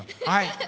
はい。